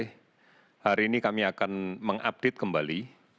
hari ini kami akan mengupdate kembali